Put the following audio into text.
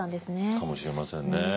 かもしれませんね。